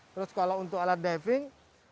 terus kalau untuk alat diving